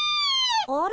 あれ？